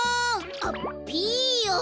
あっピーヨン。